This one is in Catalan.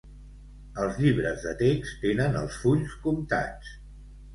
Els llibres de text tenen els fulls comptats.